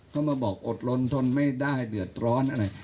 เขามาบอกอดลนทนไม่ได้เดือดร้อนอะไร